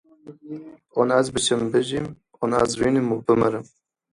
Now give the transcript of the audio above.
An ez biçim bijîm, an ez rûnim û bimirim.